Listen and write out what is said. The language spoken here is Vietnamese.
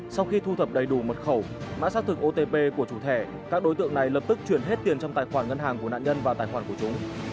sau khi thu thập đầy đủ mật khẩu mã xác thực otp của chủ thẻ các đối tượng này lập tức chuyển hết tiền trong tài khoản ngân hàng của nạn nhân vào tài khoản của chúng